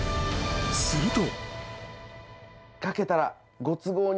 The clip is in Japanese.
すると］